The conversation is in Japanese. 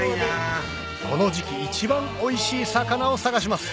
この時期一番おいしい魚を探します